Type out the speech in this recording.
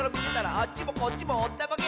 「あっちもこっちもおったまげ！」